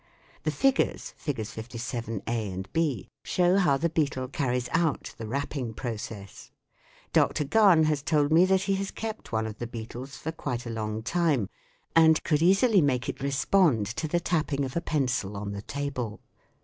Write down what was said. The figures (Fig. 57, a, b) show how the beetle carries out the rapping process. Dr. Gahan has told me that he has kept one of the beetles for quite a long time, and could easily make it respond to the tapping of a pencil on the table.